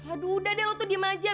aduh udah deh lo tuh diem aja